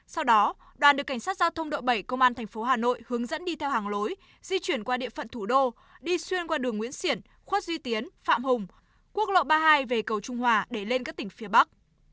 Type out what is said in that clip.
sau đó đoàn được cảnh sát giao thông đội bảy công an tp hà nội hướng dẫn đi theo hàng lối di chuyển qua địa phận thủ đô đi xuyên qua đường nguyễn xiển khuất duy tiến phạm hùng quốc lộ ba mươi hai về cầu trung hòa để lên các tỉnh phía bắc